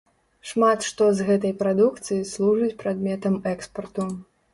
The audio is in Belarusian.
Шмат што з гэтай прадукцыі служыць прадметам экспарту.